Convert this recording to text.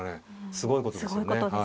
すごいことですよね。